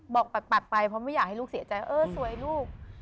ปัดไปเพราะไม่อยากให้ลูกเสียใจเออสวยลูก